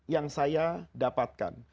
yang saya dapatkan